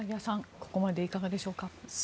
ここまでいかがでしょうか。